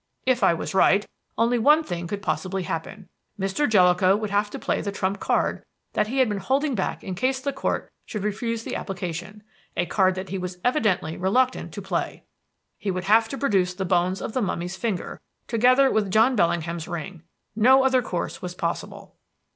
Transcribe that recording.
"If I was right, only one thing could possibly happen. Mr. Jellicoe would have to play the trump card that he had been holding back in case the Court should refuse the application; a card that he was evidently reluctant to play. "He would have to produce the bones of the mummy's finger, together with John Bellingham's ring. No other course was possible.